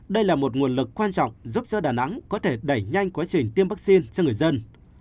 đây là một nguồn lực quan trọng giúp cho đà nẵng có thể đẩy nhanh quá trình tiêm vaccine cho người dân